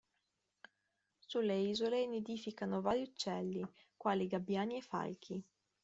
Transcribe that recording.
Sulle isole nidificano vari uccelli, quali gabbiani e falchi.